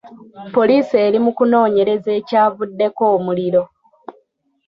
Poliisi eri mu kunoonyereza ekyavuddeko omuliro.